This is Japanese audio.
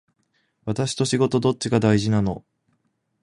私と仕事どっちが大事なの